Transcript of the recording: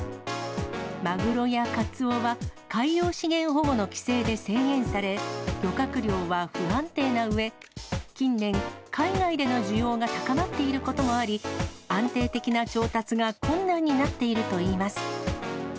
マグロやカツオは海洋資源保護の規制で制限され、漁獲量は不安定なうえ、近年、海外での需要が高まっていることもあり、安定的な調達が困難になっているといいます。